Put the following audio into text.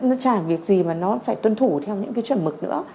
nó chả việc gì mà nó phải tuân thủ theo những cái chuẩn mực nữa